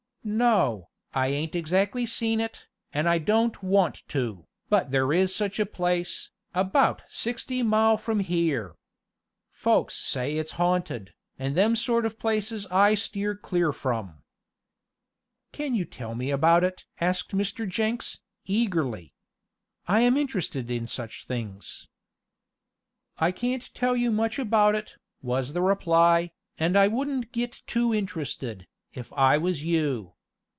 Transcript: "No, I ain't exactly seen it, an' I don't want to, but there is such a place, about sixty mile from here. Folks says it's haunted, and them sort of places I steer clear from." "Can you tell me about it?" asked Mr. Jenks, eagerly. "I am interested in such things." "I can't tell you much about it," was the reply, "and I wouldn't git too interested, if I was you.